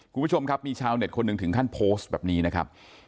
คุณผู้ชมครับมีชาวเน็ตคนหนึ่งถึงขั้นโพสต์แบบนี้นะครับ